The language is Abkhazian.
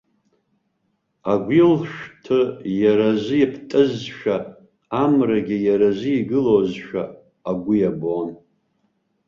Агәил-шәҭы иаразы иптызшәа, амрагьы иаразы игылозшәа агәы иабон.